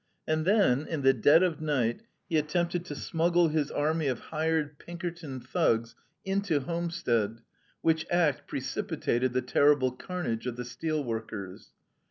And then, in the dead of night, he attempted to smuggle his army of hired Pinkerton thugs into Homestead, which act precipitated the terrible carnage of the steel workers.